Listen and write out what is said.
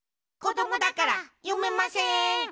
こどもだからよめません。